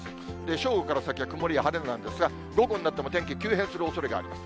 正午から先は曇りや晴れなんですが、午後になっても天気、急変するおそれがあります。